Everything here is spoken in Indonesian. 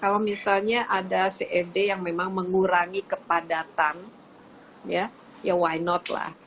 kalau misalnya ada cfd yang memang mengurangi kepadatan ya ya why not lah